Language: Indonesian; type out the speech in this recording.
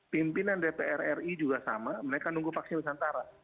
pimpinan dpr ri juga sama mereka nunggu vaksin nusantara